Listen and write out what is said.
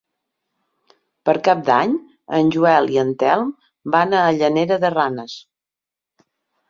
Per Cap d'Any en Joel i en Telm van a Llanera de Ranes.